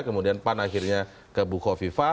kemudian pan akhirnya ke buko viva